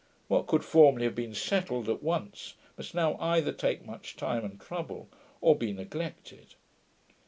What could formerly have been settled at once, must now either take much time and trouble, or be neglected.